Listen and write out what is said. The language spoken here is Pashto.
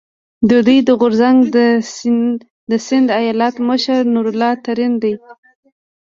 د دوی د غورځنګ د سیند ایالت مشر نور الله ترین،